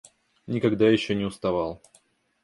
Никогда еще не уставал.